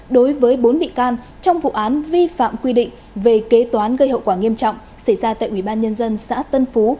đối với bốn bị can trong vụ án vi phạm quy định về kế toán gây hậu quả nghiêm trọng xảy ra tại ubnd xã tân phú